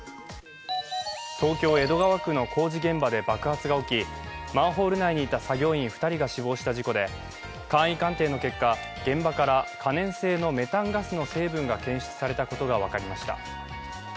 東京・江戸川区の工事現場で爆発が起きマンホール内にいた作業員２人が死亡した事故で、簡易鑑定の結果、現場から可燃性のメタンガスの成分が検出されたことが分かりました。